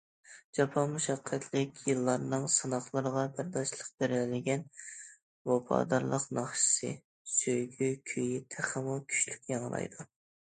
جاپا- مۇشەققەتلىك يىللارنىڭ سىناقلىرىغا بەرداشلىق بېرەلىگەن ۋاپادارلىق ناخشىسى، سۆيگۈ كۈيى تېخىمۇ كۈچلۈك ياڭرايدۇ.